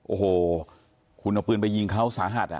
โอ้โหคุณเอาปืนไปยิงเขาสาหัส